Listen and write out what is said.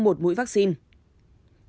một mũi vaccine